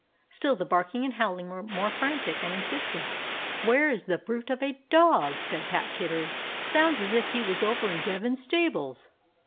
Still the barking and howling, more frantic and insistent. "Where is that brute of a dog?" said Pat Kittery. "Sounds as if he was over in Devin's stables."